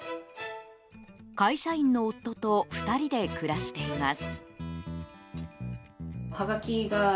会社員の夫と２人で暮らしています。